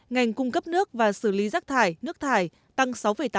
ngành cung cấp nước và xử lý rác thải nước thải tăng sáu tám